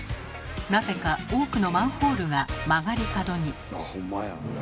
なぜか多くのマンホールが曲がり角に。